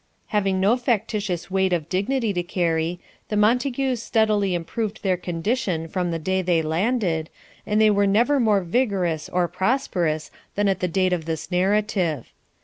Having no factitious weight of dignity to carry, the Montagues steadily improved their condition from the day they landed, and they were never more vigorous or prosperous than at the date of this narrative.